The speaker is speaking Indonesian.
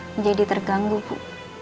menjadi terganggu bu